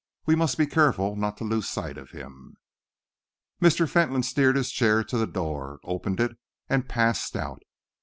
We must be careful not to lose sight of him." Mr. Fentolin steered his chair to the door, opened it, and passed out.